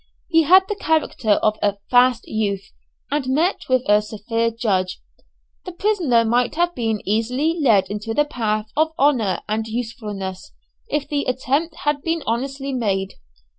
He had the character of a "fast" youth, and met with a severe judge. This prisoner might have been easily led into the path of honour and usefulness, if the attempt had been honestly made.